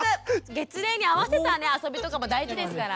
月齢に合わせた遊びとかも大事ですから。